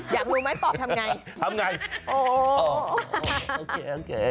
อยากรู้ไหมปอบทำไงโอ้โหโอเค